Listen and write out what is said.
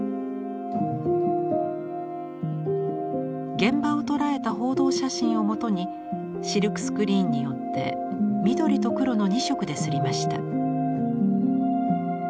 現場を捉えた報道写真をもとにシルクスクリーンによって緑と黒の２色で刷りました。